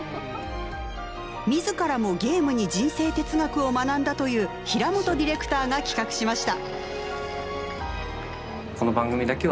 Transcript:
自らもゲームに人生哲学を学んだという平元ディレクターが企画しました。